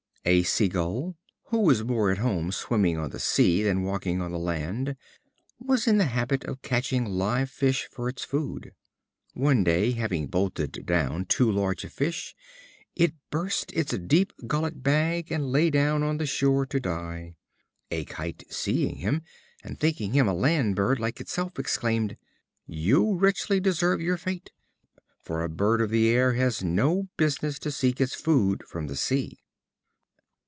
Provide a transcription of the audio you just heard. A Sea gull, who was more at home swimming on the sea than walking on the land, was in the habit of catching live fish for its food. One day, having bolted down too large a fish, it burst its deep gullet bag, and lay down on the shore to die. A Kite, seeing him, and thinking him a land bird like itself, exclaimed: "You richly deserve your fate; for a bird of the air has no business to seek its food from the sea."